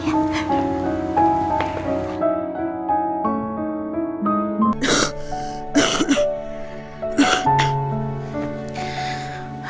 terima kasih ya